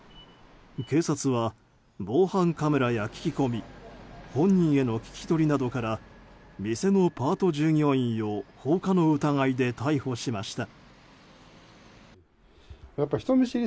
警察は防犯カメラや聞き込み本人への聞き取りなどから店のパート従業員を放火の疑いで逮捕しました。